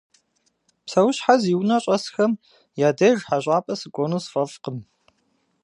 Псэущхьэ зи унэ щӏэсхэм я деж хьэщӏапӏэ сыкӏуэну сфӏэфӏкъым.